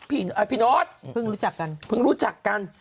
เพิ่งรู้จักกันเพิ่งรู้จักกัน